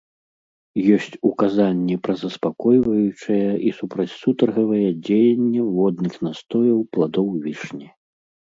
Ёсць указанні пра заспакойваючае і супрацьсутаргавае дзеянне водных настояў пладоў вішні.